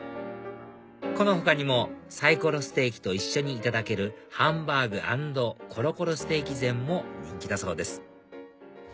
この他にもサイコロステーキと一緒にいただけるハンバーグ＆コロコロステーキ膳も人気だそうです